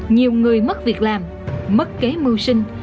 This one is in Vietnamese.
nhiều người mất việc làm mất kế mưu sinh